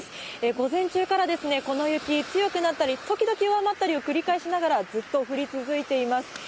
午前中からこの雪、強くなったり、時々弱まったりを繰り返しながら、ずっと降り続いています。